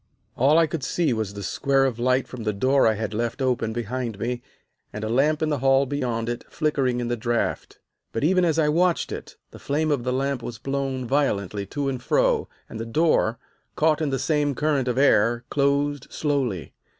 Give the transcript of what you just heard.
"All I could see was the square of light from the door I had left open behind me, and a lamp in the hall beyond it flickering in the draught. But even as I watched it, the flame of the lamp was blown violently to and fro, and the door, caught in the same current of air, closed slowly.